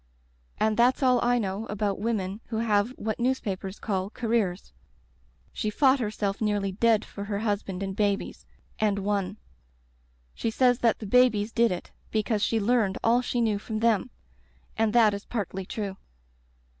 "And that's all I know about women who have what newspapers call * careers.' She fought herself nearly dead for her husband and babies — and won. She says that the babies did it because she learned all she knew from them. And that is partly true.